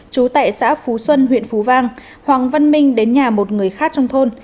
chú tại xã phú xuân huyện phú vang hoàng văn minh đến nhà một người khác trong thôn